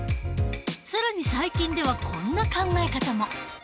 更に最近ではこんな考え方も。